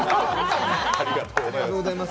ありがとうございます。